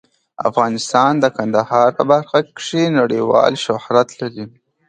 افغانستان د کندهار په برخه کې نړیوال شهرت لري.